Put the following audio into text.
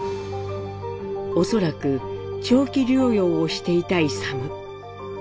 恐らく長期療養をしていた勇。